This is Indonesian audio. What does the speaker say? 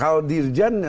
ada gak keberaniannya